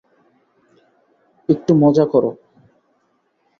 একটু মজা করো।